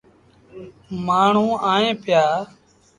مآڻهوٚݩ ائيٚݩ پيآ۔